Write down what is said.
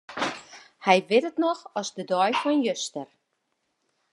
Hy wit it noch as de dei fan juster.